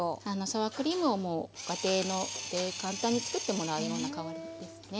サワークリームをご家庭で簡単に作ってもらうような代わりですね。